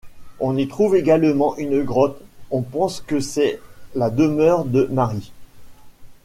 On y trouve également une grotte, on pense que c'est la demeure de Mari.